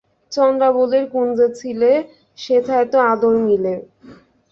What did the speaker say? চন্দ্রাবলীর কুঞ্জে ছিলে, সেথায় তো আদর মিলে?